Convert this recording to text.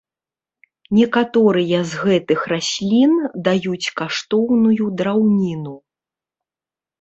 Некаторыя з гэтых раслін даюць каштоўную драўніну.